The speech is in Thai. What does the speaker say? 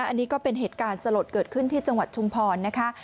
อันนี้ก็เป็นเหตุการณ์สลดเกิดขึ้นที่จังหวัดชุมพรนะคะ